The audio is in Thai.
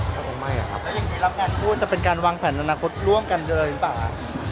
ถ้ายิ่งรับงานคู่จะเป็นการวางแผนอนาคตร่วมกันก็อะไรเปล่า